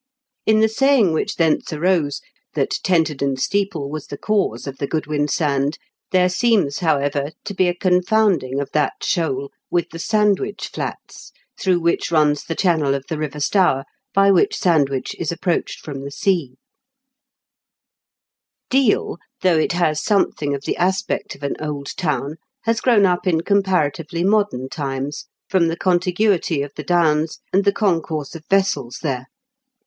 In the saying which thence arose, that Tenterden steeple was the cause of the Goodwin Sand, there seems, however, to be a confounding of that shoal with the Sandwich flats, through which runs the channel of the river Stour, by which Sandwich is approached from the sea. 214 IN KENT WITH 0HAELE8 DICKENS. Deal, though it has something of the aspect of an old town, has grown up in comparatively modem times, from the contiguity of the Downs and the concourse of vessels there.